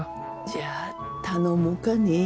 じゃあ頼もうかね。